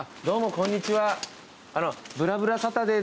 こんにちは。